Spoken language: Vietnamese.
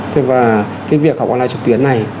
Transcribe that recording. thế và cái việc học online trực tuyến này